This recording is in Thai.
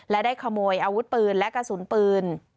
และได้ขโมยอาวุธปืนและกระสุนปืน